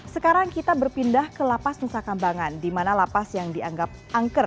sekarang kita berpindah ke lapas nusa kambangan di mana lapas yang dianggap angker